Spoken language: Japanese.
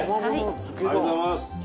ありがとうございます。